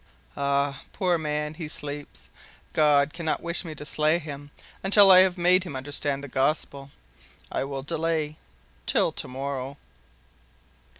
"Ah! poor man. He sleeps. God cannot wish me to slay him until I have made him understand the gospel. I will delay till to morrow."